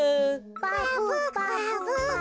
バブバブ。